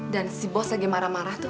dan si bosnya gemara marah tuh